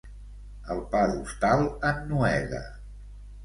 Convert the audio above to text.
El pa d'hostal ennuega.